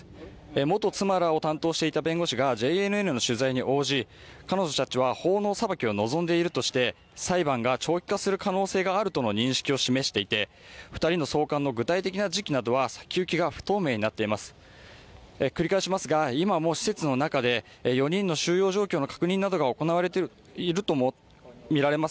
元妻らを担当していた弁護士がＪＮＮの取材に応じ、彼女たちは法の裁きを望んでいるとして裁判が長期化する可能性があるとの認識を示していて２人の送還の具体的な時期などは先行きが不透明になっています。